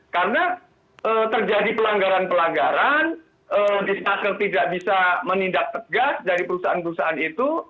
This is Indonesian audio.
karena terjadi pelanggaran pelanggaran disnaker tidak bisa menindak tegas dari perusahaan perusahaan itu